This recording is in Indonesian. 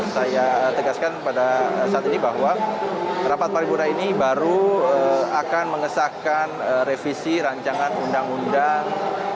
saya tegaskan pada saat ini bahwa rapat paripurna ini baru akan mengesahkan revisi rancangan undang undang